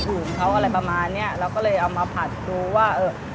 ถุงเขาอะไรประมาณเนี้ยเราก็เลยเอามาผัดดูว่าเออ